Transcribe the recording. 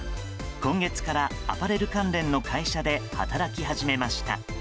今月からアパレル関連の会社で働き始めました。